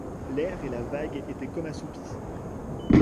L’air et la vague étaient comme assoupis.